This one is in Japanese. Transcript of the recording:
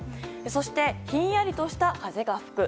そして、ひんやりとした風が吹く。